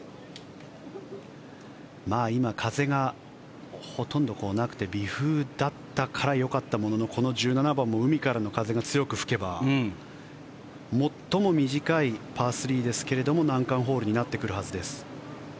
今、風がほとんどなくて微風だったからよかったもののこの１７番も海からの風が強く吹けば最も短いパー３ですが難関ホールになってくるはずです。